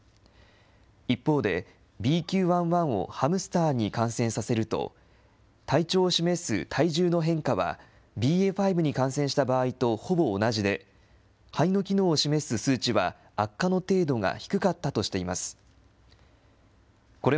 一方で、ＢＱ．１．１をハムスターに感染させると、体調を示す体重の変化は、ＢＡ．５に感染した場合とほぼ同じで、肺の機能を示す数値は、悪化の程度が低かったとしています。